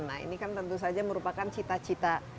nah ini kan tentu saja merupakan cita cita